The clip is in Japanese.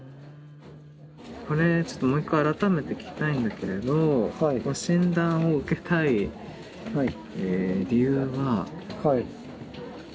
これちょっともう一回改めて聞きたいんだけれど診断を受けたい理由はどういうところで？